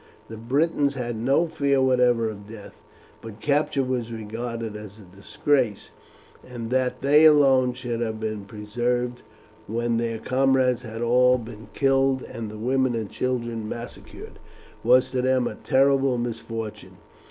The Britons had no fear whatever of death, but capture was regarded as a disgrace; and that they alone should have been preserved when their comrades had all been killed and the women and children massacred, was to them a terrible misfortune.